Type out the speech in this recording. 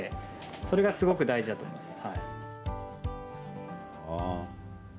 それがすごく大事だと思います。